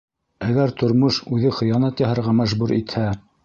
Әгәр тормош үҙе хыянат яһарға мәжбүр итһә?